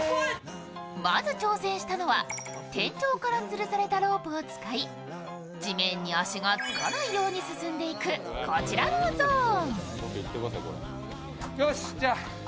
まず挑戦したのは、天井からつるされたロープを使い地面に足がつかないように進んでいくこちらのゾーン。